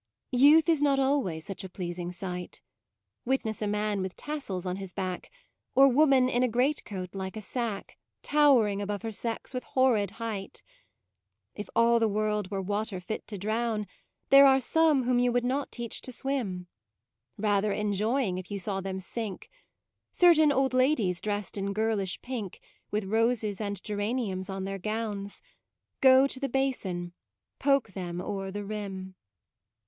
Youth is not always such a pleasing sight, Witness a man with tassels on his back; Or woman in a great coat like a sack Towering above her sex with horrid height. If all the world were water fit to drown There are some whom you would not teach to swim, Rather enjoying if you saw them sink; Certain old ladies dressed in girlish pink, With roses and geraniums on their gowns: Go to the Basin, poke them o'er the rim.